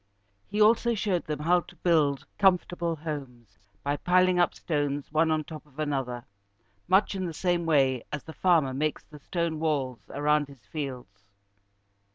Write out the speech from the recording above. He also showed them how to build comfortable homes by piling up stones one on top of another, much in the same way as the farmer makes the stone walls around his fields.